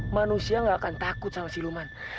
manusia gak akan takut sama siluman